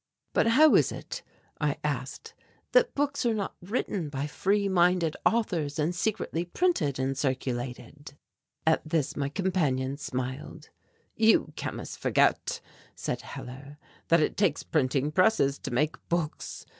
"But how is it," I asked, "that books are not written by free minded authors and secretly printed and circulated?" At this question my companions smiled. "You chemists forget," said Hellar, "that it takes printing presses to make books.